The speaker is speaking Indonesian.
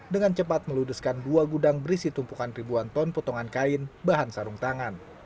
dengan cepat meludeskan dua gudang berisi tumpukan ribuan ton potongan kain bahan sarung tangan